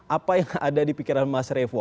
apa yang ada di pikiran mas revo